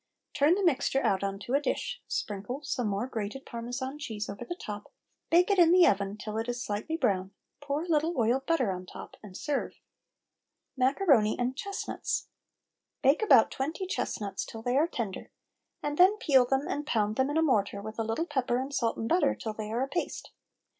Turn the mixture out on to a dish, sprinkle some more grated Parmesan cheese over the top, bake it in the oven till it is slightly brown, pour a little oiled butter on the top, and serve. MACARONI AND CHESTNUTS. Bake about twenty chestnuts till they are tender, and then peel them and pound them in a mortar, with a little pepper and salt and butter, till they are a paste.